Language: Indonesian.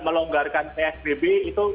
melonggarkan psbb itu